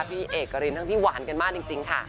พี่เอกรินทั้งที่หวานกันมากจริงค่ะ